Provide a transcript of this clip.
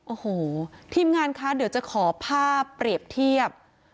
โอ้โหทีมงานคะเดี๋ยวจะขอภาพเปรียบเทียบ